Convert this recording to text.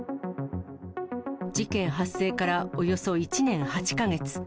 事件発生からおよそ１年８か月。